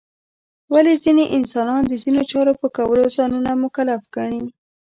ولې ځینې انسانان د ځینو چارو په کولو ځانونه مکلف ګڼي؟